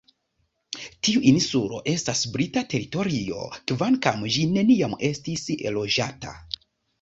Tiu insulo estas brita teritorio, kvankam ĝi neniam estis loĝata.